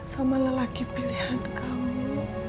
sama lelaki pilihan kamu